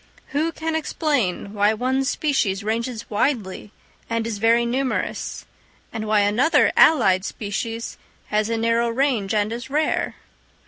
Who can explain why one species ranges widely and is very numerous, and why another allied species has a narrow range and is rare?